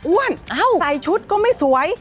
ใส่ชุดก็ไม่สวย